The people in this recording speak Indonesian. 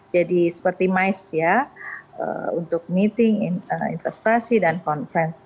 jadi seperti mais ya untuk meeting investasi dan conference